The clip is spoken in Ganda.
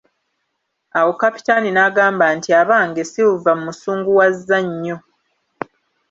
Awo Kapitaani n'agamba nti abange Silver mmusunguwazza nnyo.